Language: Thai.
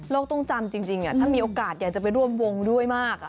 ต้องจำจริงถ้ามีโอกาสอยากจะไปร่วมวงด้วยมาก